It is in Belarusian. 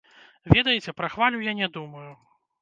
Ведаеце, пра хвалю я не думаю.